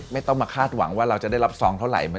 ไม่ต้องมาคาดหวังว่าเราจะได้รับซองเท่าไหร่